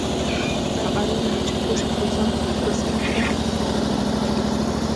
دا اړینه ده چې پوه شې خپل ځان ته څنګه ښکارې.